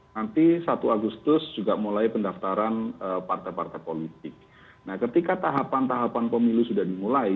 nanti satu agustus juga mulai pendaftaran partai partai politik nah ketika tahapan tahapan pemilu sudah dimulai